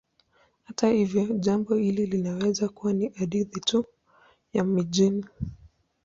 Hata hivyo, jambo hili linaweza kuwa ni hadithi tu ya mijini.